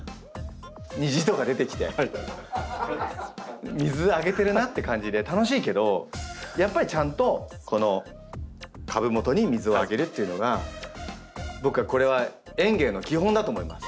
虹とか出てきて水あげてるなって感じで楽しいけどやっぱりちゃんとこの株元に水をあげるというのが僕はこれは園芸の基本だと思います。